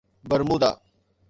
Bermuda